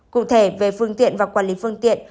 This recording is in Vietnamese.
cụ thể về phương tiện và quản lý phương tiện